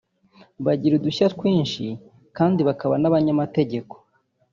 bagira udushya twinshi kandi bakaba n’abanyamategeko